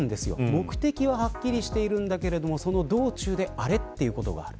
目的ははっきりしているんだけどその道中であれっということがある。